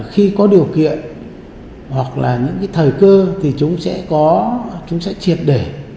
khi có điều kiện hoặc thời cơ thì chúng sẽ triệt để